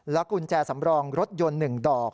แล้วกุญแจสำรองรถยนต์หนึ่งดอก